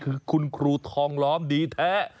คือคุณครูทองล้อมดีแท้